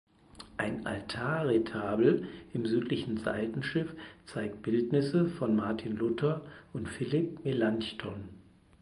Ein Altarretabel im südlichen Seitenschiff zeigt Bildnisse von Martin Luther und Philipp Melanchthon.